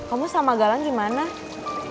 aduh sakit sikit